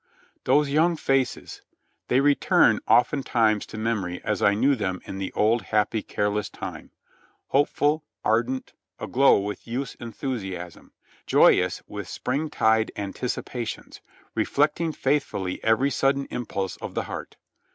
Those young faces I they return oftentimes to memory as I knew them in the old happy, careless time — hopeful, ardent, aglow with youth's enthusiasm, joyous with spring tide anticipations, reflecting faithfully every sudden impulse of the heart.